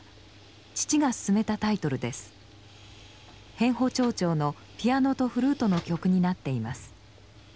変ホ長調のピアノとフルートの曲になっています。